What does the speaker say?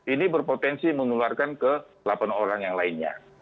ini berpotensi menularkan ke delapan orang yang lainnya